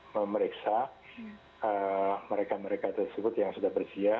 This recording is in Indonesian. memeriksa mereka mereka tersebut yang sudah bersia